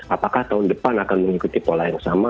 apakah tahun depan akan mengikuti pola yang sama